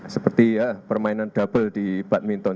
seperti permainan double di badminton